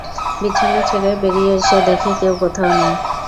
বিছানা ছেড়ে বেরিয়ে এসে দেখে কেউ কোথাও নেই।